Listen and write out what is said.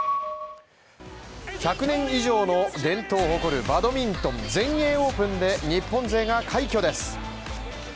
１００年以上の伝統を誇るバドミントン全英オープンで日本勢が快挙です。